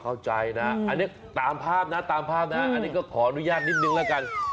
เข้าใจนะตามภาพนะนะอันนี้ก็ขออนุญาตนิดนึงละกัน